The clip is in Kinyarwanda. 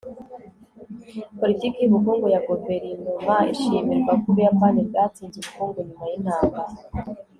politiki y'ubukungu ya guverinoma ishimirwa ko ubuyapani bwatsinze ubukungu nyuma y'intambara